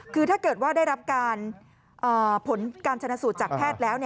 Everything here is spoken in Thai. คือถ้าเกิดว่าได้รับการผลการชนะสูตรจากแพทย์แล้ว